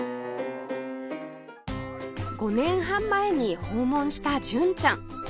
５年半前に訪問した純ちゃん